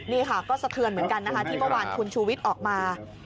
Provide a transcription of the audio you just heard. นี่ค่ะก็สะเทือนเหมือนกันนะคะที่เมื่อวานคุณชูวิทย์ออกมา